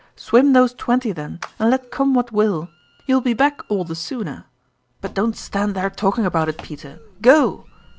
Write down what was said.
" Swim those twenty then, and let come what will ; you will be back all the sooner. But don't stand there talking about it, Peter go!"